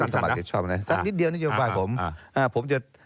สักนิดเดียวนึกบายผม